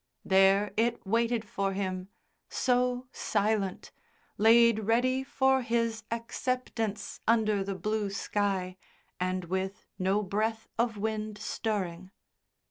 There it waited for him, so silent, laid ready for his acceptance under the blue sky and with no breath of wind stirring.